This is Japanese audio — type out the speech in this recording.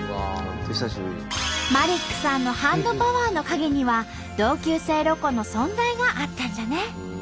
マリックさんのハンドパワーの陰には同級生ロコの存在があったんじゃね！